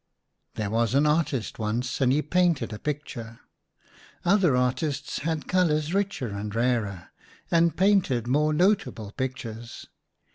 HERE was an artist once, and he painted a picture. Other artists had colours richer and rarer, and painted more notable pictures.